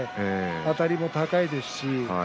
あたりも高いですし。